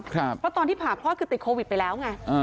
เพราะตอนที่ผ่าคลอดคือติดโควิดไปแล้วไง